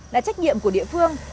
đã trách nhiệm của địa phương